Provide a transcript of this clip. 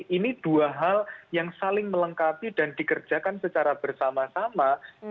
ini dua hal yang saling melengkapi dan dikerjakan secara bersama sama